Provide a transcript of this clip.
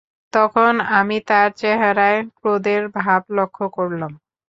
তখন আমি তার চেহারায় ক্রোধের ভাব লক্ষ্য করলাম।